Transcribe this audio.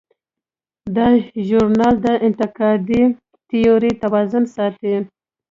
دا ژورنال د انتقادي تیورۍ توازن ساتي.